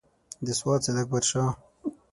د سوات سیداکبرشاه.